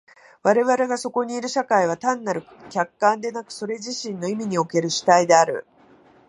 我々がそこにいる社会は単なる客観でなく、それ自身の意味における主体である。